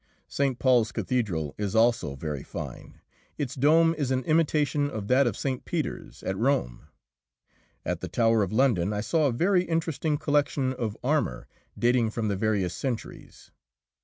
St. Paul's Cathedral is also very fine. Its dome is an imitation of that of St. Peter's, at Rome. At the Tower of London I saw a very interesting collection of armour, dating from the various centuries.